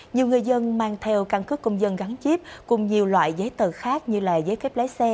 nhiều người dân mang theo căn cứ công dân gắn chip cùng nhiều loại giấy tờ khác như là giấy phép lái xe